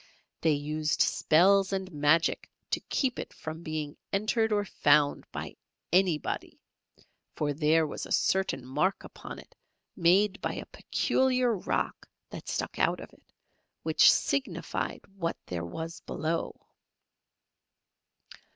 They used spells and magic to keep it from being entered or found by anybody, for there was a certain mark upon it made by a peculiar rock that stuck out of it, which signified what there was below.